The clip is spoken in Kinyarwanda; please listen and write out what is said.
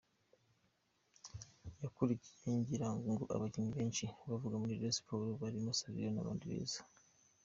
Yakurikiye ngira ngo abakinnyi benshi bavuye muri Rayon Sports barimo Savio n’abandi beza.